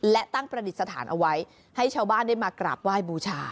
และตั้งประดิษฐานเอาไว้ให้ชาวบ้านได้มากราบไหว้บูชา